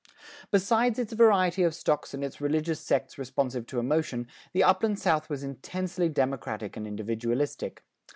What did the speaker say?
Besides its variety of stocks and its religious sects responsive to emotion, the Upland South was intensely democratic and individualistic.